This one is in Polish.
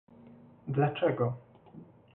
dlaczego